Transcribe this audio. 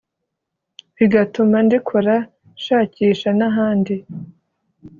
bigatuma ndikora nshakisha n’ahandi